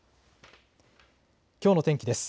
きょうの天気です。